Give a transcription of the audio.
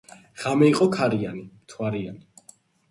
ღამე იყო ქარიანი, მთვარიანი